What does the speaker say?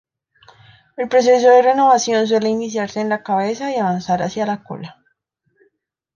El proceso de renovación suele iniciarse en la cabeza y avanzar hacia la cola.